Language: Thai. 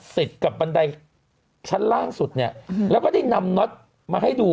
ติดกับบันไดชั้นล่างสุดเนี่ยแล้วก็ได้นำน็อตมาให้ดู